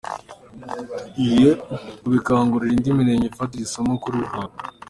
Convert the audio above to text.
Tugiye kubikangurira indi mirenge ifatire isomo kuri Ruhango”.